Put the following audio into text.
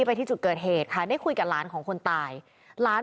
ไปที่จุดเกิดเหตุค่ะได้คุยกับหลานของคนตายหลาน